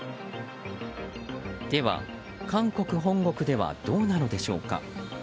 では、韓国本国ではどうなのでしょうか。